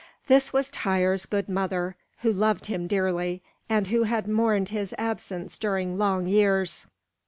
This was Tŷr's good mother, who loved him dearly, and who had mourned his absence during long years.